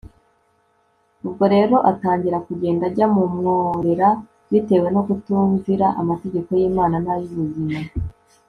ubwo rero atangira kugenda ajya mu mworera; bitewe no kutumvira amategeko y'imana n'ay'ubuzima